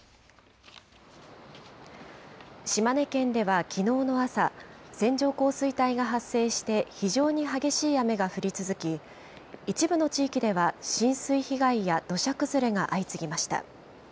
島根県ではきのうの朝、線状降水帯が発生して非常に激しい雨が降り続き、一部の地域では浸水被害や土砂崩れが相次ぎました。